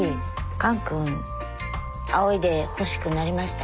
観君あおいでほしくなりました？